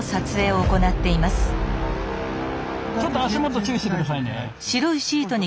ちょっと足元注意して下さいね。